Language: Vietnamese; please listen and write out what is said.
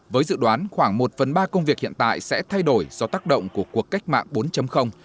với dự đoán khoảng một phần ba công việc hiện tại sẽ thay đổi do tác động của cuộc cách mạng bốn